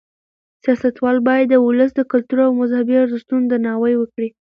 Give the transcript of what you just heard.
سیاستوال باید د ولس د کلتور او مذهبي ارزښتونو درناوی وکړي.